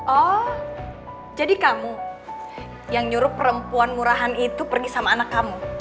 oh jadi kamu yang nyuruh perempuan murahan itu pergi sama anak kamu